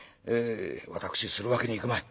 私するわけにいくまい。